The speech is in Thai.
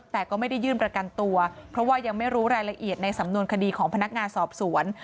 แต่ก็ไม่ได้ยื่นประกันตัวเพราะว่ายังไม่รู้รายละเอียดในสำนวนคดีของพนักงานสอบสวน